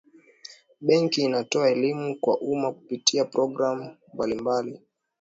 benki inatoa elimu kwa umma kupitia programu mbalimbali